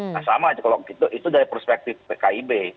nah sama aja kalau gitu itu dari perspektif kib